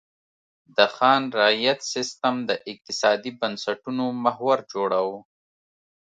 د خان رعیت سیستم د اقتصادي بنسټونو محور جوړاوه.